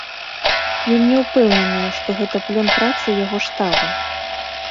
Ён не ўпэўнены, што гэта плён працы яго штаба.